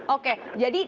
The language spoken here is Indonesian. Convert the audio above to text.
oke jadi tidak